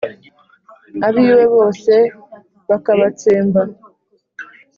abiwe bose bakabatsemba